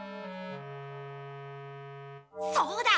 そうだ！